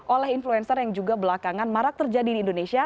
oleh influencer yang juga belakangan marak terjadi di indonesia